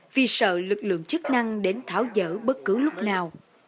vì sợ lực lượng chức năng đến tháo dỡ bất cứ lúc nào